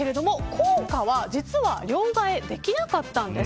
効果は実は両替できなかったんです。